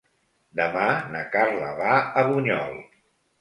Demà na Carla va a Bunyol.